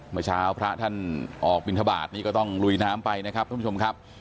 เมื่อเช้าพระท่านออกบินทบาทนี่ก็ต้องลุยน้ำไปนะครับท่านผู้ชมครับ